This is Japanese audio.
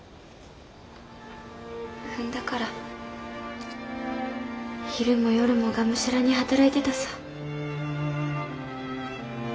ふんだから昼も夜もがむしゃらに働いてたさ。